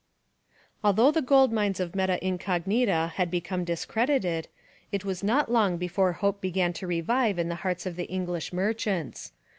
Although the gold mines of Meta Incognita had become discredited, it was not long before hope began to revive in the hearts of the English merchants.